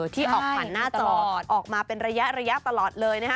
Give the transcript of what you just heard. ที่ออกผ่านหน้าจอออกมาเป็นระยะตลอดเลยนะฮะ